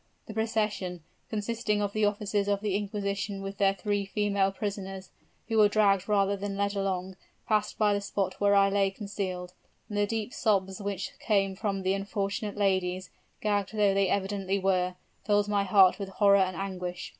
The procession, consisting of the officers of the inquisition with their three female prisoners, who were dragged rather than led along, passed by the spot where I lay concealed; and the deep sobs which came from the unfortunate ladies, gagged though they evidently were, filled my heart with horror and anguish.